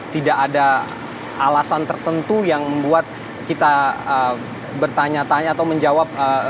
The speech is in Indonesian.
tidak ada alasan tertentu yang membuat kita bertanya tanya atau menjawab